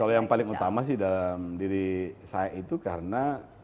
kalau yang paling utama sih dalam diri saya itu karena